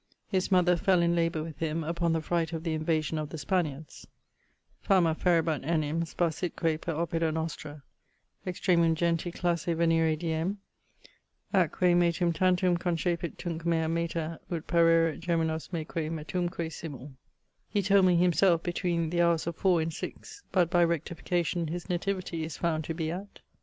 His mother fell in labour with him upon the fright of the invasion of the Spaniards [Fama ferebat enim, sparsitque per oppida nostra Extremum genti classe venire diem; Atque metum tantum concepit tunc mea mater Ut pareret geminos meque metumque simul.] he told me himself between the houres of four and six: but by rectification his nativity is found to be at